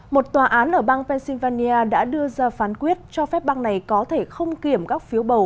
một tòa án ở bang pennsylvania đã đưa ra phán quyết cho phép bang này có thể không kiểm các phiếu bầu